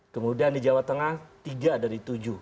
kemudian di jawa tengah tiga dari tujuh